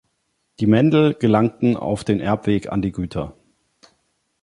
Die Mendel gelangten auf dem Erbweg an die Güter.